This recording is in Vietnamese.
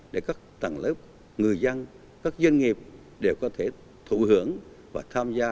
để các tầng lớp người dân các doanh nghiệp đều có thể thụ hưởng và tham gia